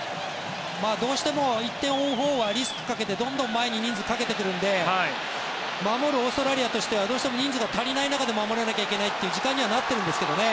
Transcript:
どうしても１点追うほうはリスクをかけてどんどん前に人数をかけてくるので守るオーストラリアとしては人数が足りない中で守らなきゃいけないという時間にはなってるんですけどね。